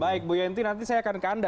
baik bu yenti nanti saya akan ke anda